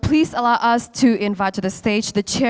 pertama sekali silakan kami mengundang ke panggilan